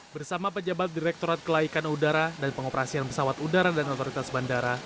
bersama pejabat direktorat kelaikan udara dan pengoperasian pesawat udara dan otoritas bandara